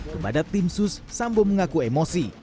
kepada tim sus sambo mengaku emosi